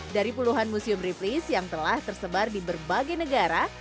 dari puluhan museum briplist yang telah tersebar di berbagai negara